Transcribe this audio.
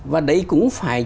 và đấy cũng phải